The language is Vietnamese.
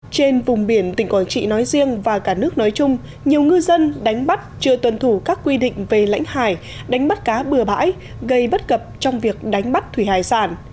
trên vùng biển tỉnh quảng trị nói riêng và cả nước nói chung nhiều ngư dân đánh bắt chưa tuần thủ các quy định về lãnh hải đánh bắt cá bừa bãi gây bất cập trong việc đánh bắt thủy hải sản